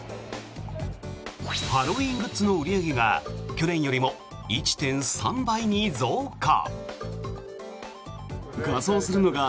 ハロウィーングッズの売り上げが去年よりも１．３倍に増加。